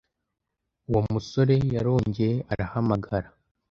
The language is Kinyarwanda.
uwo musore yarongeye arahamagara,